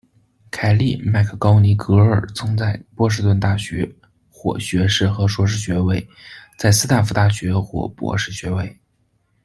凯利·麦克高尼戈尔曾在波士顿大学获学士和硕士学位，在斯坦福大学获博士学位。